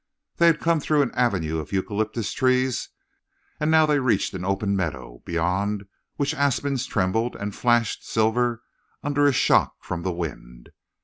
They had come through an avenue of the eucalyptus trees, and now they reached an open meadow, beyond which aspens trembled and flashed silver under a shock from the wind.